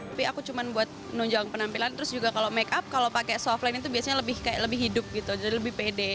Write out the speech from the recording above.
tapi aku cuma buat menunjang penampilan terus juga kalau makeup kalau pakai softlens itu biasanya lebih hidup gitu jadi lebih pede